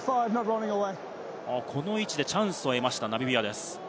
この位置でチャンスを得ました、ナミビアです。